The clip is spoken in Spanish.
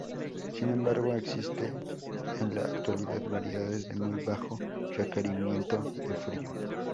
Sin embargo, existen en la actualidad variedades de muy bajo requerimiento de frío.